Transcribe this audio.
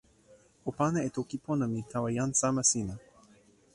o pana e toki pona mi tawa jan sama sina.